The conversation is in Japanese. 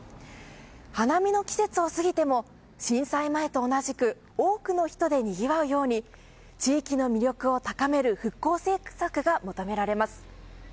花見の季節を過ぎても震災前と同じく多くの人でにぎわうように地域の魅力を高める復興政策が求められます。